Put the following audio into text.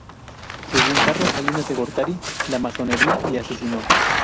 Según Carlos Salinas de Gortari, la masonería le asesino.